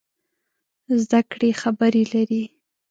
زده کړې خبرې لري.